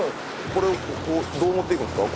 これをどう持っていくんですか？